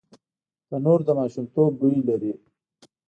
تنور د ماشومتوب بوی لري